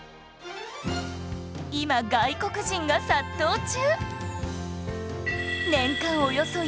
今外国人が殺到中！